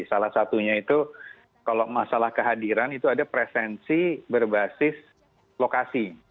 salah satunya itu kalau masalah kehadiran itu ada presensi berbasis lokasi